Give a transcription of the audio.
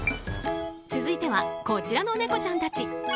続いては、こちらの猫ちゃんたち。